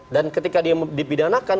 dan ketika dia dipidanakan